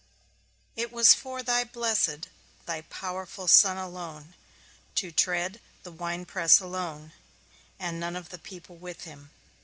It was for thy blessed, thy powerful Son alone, to tread the wine press alone, and none of the people with him.